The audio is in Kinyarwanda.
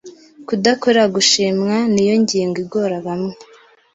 Kudakorera gushimwa niyongingo igora bamwe